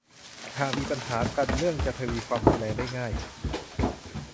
หากมีปัญหากันเรื่องจะทวีความรุนแรงได้ง่าย